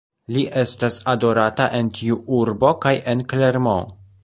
Li estas adorata en tiu urbo kaj en Clermont.